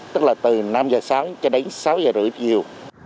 tức là từ năm giờ sáng cho đến sáu giờ chiều